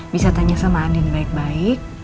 bisa tanya sama andin baik baik